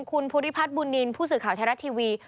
คุณพุทธิพัฒน์บุนนินผู้สื่อข่าวแทรกทีวี